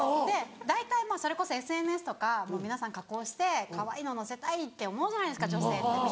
大体それこそＳＮＳとか皆さん加工してかわいいのを載せたいって思うじゃないですか女性って。